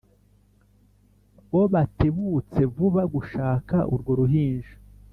Bo batebutse vuba gushaka urwo ruhinja